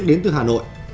đến từ hà nội